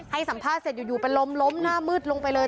ให้สัมภาษณ์เสร็จอยู่เป็นลมล้มหน้ามืดลงไปเลย